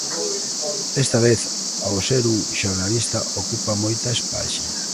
Desta vez, ao ser un xornalista, ocupa moitas páxinas.